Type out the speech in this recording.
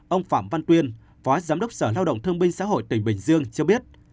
ông phạm văn tuyên phó giám đốc sở lao động thương binh xã hội tỉnh bình dương cho biết